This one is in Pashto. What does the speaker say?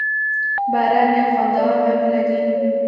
باران یو خوندور غږ لري.